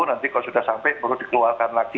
nanti kalau sudah sampai baru dikeluarkan lagi